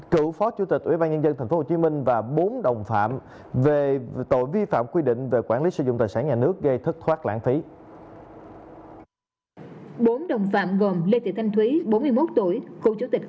cựu phó chủ tịch ủy ban nhân dân tp hcm và bốn đồng phạm về tội vi phạm quy định về quản lý sử dụng tài sản nhà nước gây thất thoát lãng phí